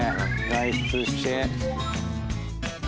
外出して。